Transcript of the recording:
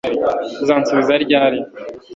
uzansubiza ryari